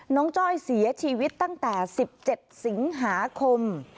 จ้อยเสียชีวิตตั้งแต่๑๗สิงหาคม